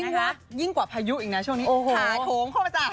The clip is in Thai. ยิ่งกว่ายิ่งกว่าพายุอีกน่ะช่วงนี้โอ้โหหาโค้งเข้ามาจ้ะ